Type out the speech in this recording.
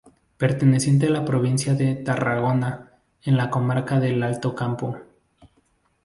Perteneciente a la provincia de Tarragona, en la comarca del Alto Campo.